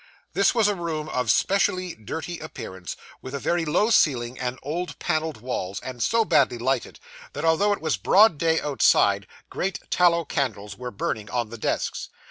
This was a room of specially dirty appearance, with a very low ceiling and old panelled walls; and so badly lighted, that although it was broad day outside, great tallow candles were burning on the desks.